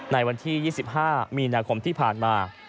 ในวันที่๒๕มีนาคมที่ผ่านมา